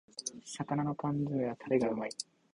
魚の缶詰めはタレがうまい